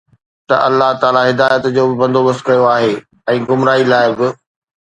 ته الله تعاليٰ هدايت جو به بندوبست ڪيو آهي ۽ گمراهي لاءِ به